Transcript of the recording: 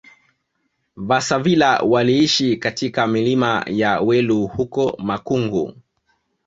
Vasavila waliishi katika milima ya Welu huko Makungu